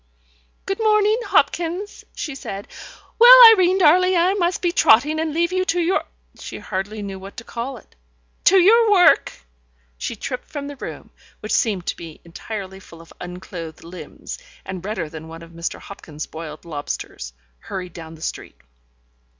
"Good morning, Hopkins," she said. "Well, Irene darling, I must be trotting, and leave you to your " she hardly knew what to call it "to your work." She tripped from the room, which seemed to be entirely full of unclothed limbs, and redder than one of Mr. Hopkins's boiled lobsters hurried down the street.